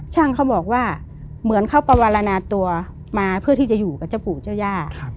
ช่างเขาบอกว่าเหมือนเขาประวารณาตัวมาเพื่อที่จะอยู่กับเจ้าปู่เจ้าย่า